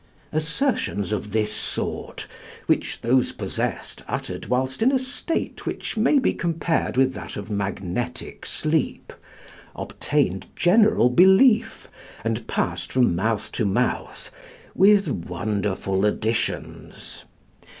Assertions of this sort, which those possessed uttered whilst in a state which may be compared with that of magnetic sleep, obtained general belief, and passed from mouth to mouth with wonderful additions.